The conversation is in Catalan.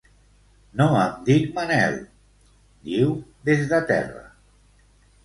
No em dic Manel —diu des de terra.